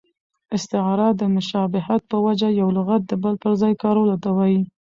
استعاره د مشابهت په وجه یو لغت د بل پر ځای کارولو ته وايي.